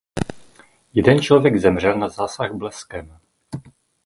Jeden člověk zemřel na zásah bleskem.